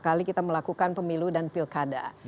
kali kita melakukan pemilu dan pilkada